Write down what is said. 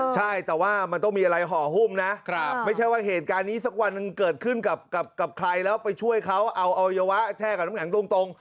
ใช่แต่ว่ามันต้องมีอะไรห่อหุ้มนะไม่ใช่ว่าเหตุการณ์นี้สักวันหนึ่งเกิดขึ้นกับใครแล้วไปช่วยเขาเอาอวัยวะแช่กับน้ำแข็งตรง